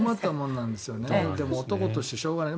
男としてしょうがない。